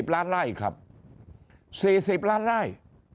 ล้านไล่ครับ๔๐ล้านไล่